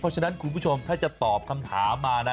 เพราะฉะนั้นคุณผู้ชมถ้าจะตอบคำถามมานะ